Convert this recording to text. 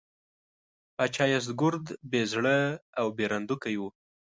پاچا یزدګُرد بې زړه او بېرندوکی و.